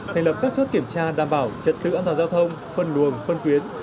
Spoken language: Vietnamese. thành lập các chốt kiểm tra đảm bảo trật tự an toàn giao thông phân luồng phân tuyến